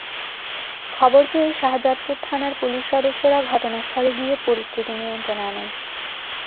খবর পেয়ে শাহজাদপুর থানার পুলিশ সদস্যরা ঘটনাস্থলে গিয়ে পরিস্থিতি নিয়ন্ত্রণে আনেন।